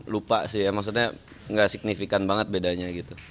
lupa sih maksudnya gak signifikan banget bedanya gitu